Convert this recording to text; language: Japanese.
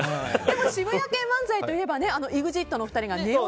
渋谷系漫才といえばＥＸＩＴのお二人がネオ